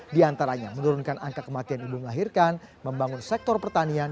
di antaranya menurunkan angka kematian ibu melahirkan membangun sektor pertanian